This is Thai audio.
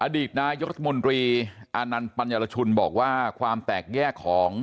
อดีตนายกรัฐมนตรีอานันต์ปัญญารชุนบอกว่าความแตกแยกของ